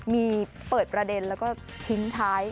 มีเปิดประเด็นแล้วก็ทิ้งท้าย